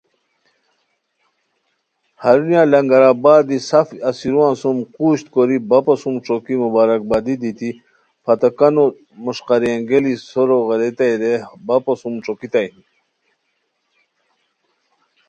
ہرونیہ لنگر آباد دی سف اسیرووان سُم قوژد کوری بپو سُم ݯوکی مبارکبادی دیتی پھتاکینو مݰقاری انگیالی سورو غیرتائے رے بپو سُم ݯوکیتانی